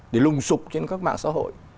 để lùng sục trên các mạng xã hội